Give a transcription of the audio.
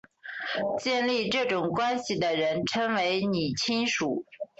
建立这种关系的人称为拟亲属。